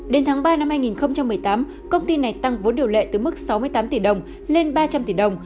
đến tháng ba năm hai nghìn một mươi tám công ty này tăng vốn điều lệ từ mức sáu mươi tám tỷ đồng lên ba trăm linh tỷ đồng